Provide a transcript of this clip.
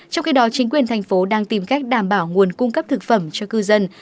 trong khi đó chính quyền thành phố đang tìm cách đảm bảo nguồn cung cấp thực phẩm cho cư dân